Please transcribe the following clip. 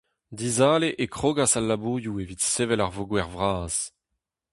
Dizale e krogas al labourioù evit sevel ar voger vras.